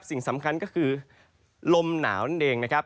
สิ่งสำคัญก็คือลมหนาวนั่นเองนะครับ